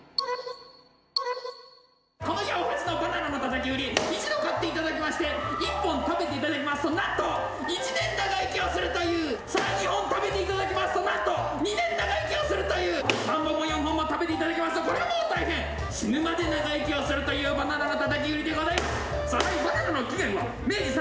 この日お初のバナナの叩き売り一度買っていただきまして１本食べていただきますと何と１年長生きをするというさあ２本食べていただきますと何と２年長生きをするという３本も４本も食べていただきますとこりゃもう大変死ぬまで長生きをするというバナナの叩き売りでございます